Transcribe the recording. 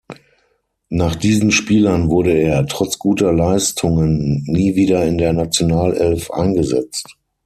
Nach diesen Spielen wurde er, trotz guter Leistungen, nie wieder in der Nationalelf eingesetzt.